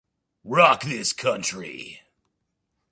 Rock This Country!